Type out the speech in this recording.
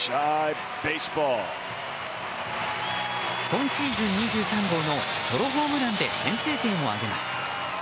今シーズン２３号のソロホームランで先制点を挙げます。